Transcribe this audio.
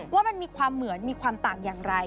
ว่ามันมีความเหมือนมีความต่างอย่างไร